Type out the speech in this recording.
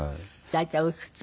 大体おいくつ？